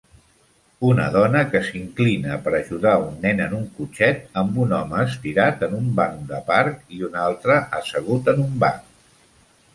Una dona que s'inclina per ajudar un nen en un cotxet amb un home estirat en un banc de parc i un altre assegut en un banc